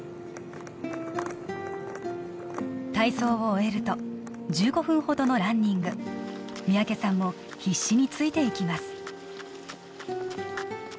体操を終えると１５分ほどのランニング三宅さんも必死についていきます